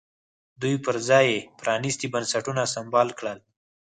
دوی پر ځای یې پرانیستي بنسټونه سمبال کړل.